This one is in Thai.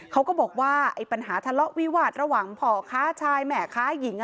เขาก็บอกว่าไอ้ปัญหาทะเลาะวิวาสระหว่างพ่อค้าชายแหม่ค้าหญิง